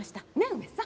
梅さん。